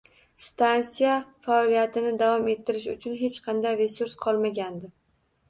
Stansiya faoliyatini davom ettirish uchun hech qanday resurs qolmagandi.